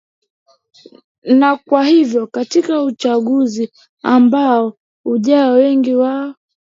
na kwa hivyo katika uchaguzi ambao ujao wengi wao